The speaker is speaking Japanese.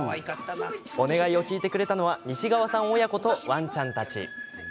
お願いを聞いてくれたのは西川さん親子とワンちゃんたち。